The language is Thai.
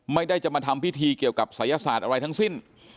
ไม่ได้จะมาทำพิธีเกี่ยวกับศัยศาสตร์อะไรทั้งสิ้น